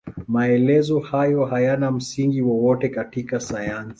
Maelezo hayo hayana msingi wowote katika sayansi.